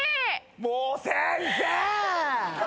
もう先生！